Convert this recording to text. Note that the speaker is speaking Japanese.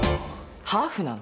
ハーフなの？